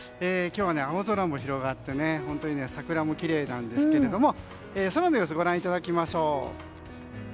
今日は青空も広がって本当に桜もきれいなんですけど空の様子をご覧いただきましょう。